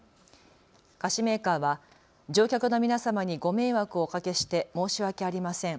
菓子メーカーは乗客の皆様にご迷惑をおかけして申し訳ありません。